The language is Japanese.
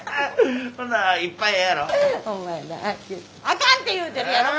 あかんて言うてるやろ。